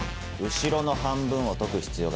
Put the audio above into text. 後ろの半分を解く必要がない。